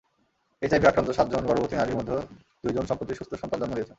HIV আক্রান্ত সাতজন গর্ভবতী নারীর মধ্যে দুজন সম্প্রতি সুস্থ সন্তান জন্ম দিয়েছেন।